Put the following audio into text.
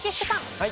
はい。